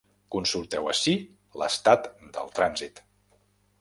Consulteu ací l’estat del trànsit.